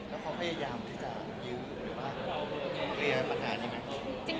แล้วเขาพยายามที่จะยืดหรือปลอดภัณฑ์ละต้องเรียนปัญหาใช่ไหม